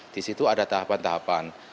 di situ ada tahapan tahapan